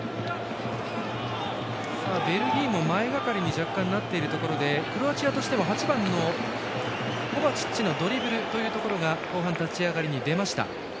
ベルギーも前がかりに若干なっているところでクロアチアも８番のコバチッチのドリブルというところが後半、立ち上がりに出ました。